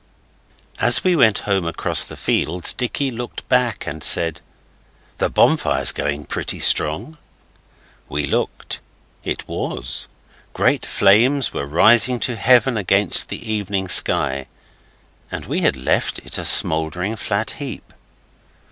As we went home across the fields Dicky looked back and said 'The bonfire's going pretty strong.' We looked. It was. Great flames were rising to heaven against the evening sky. And we had left it,a smouldering flat heap.